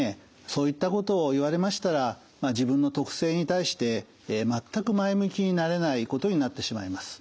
そういったことを言われましたら自分の特性に対して全く前向きになれないことになってしまいます。